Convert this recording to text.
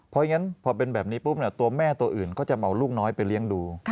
เพราะฉะนั้นพอเป็นแบบนี้ปุ๊บตัวแม่ตัวอื่นก็จะเหมาลูกน้อยไปเลี้ยงดู